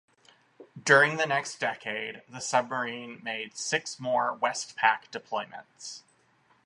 During the next decade, the submarine made six more WestPac deployments.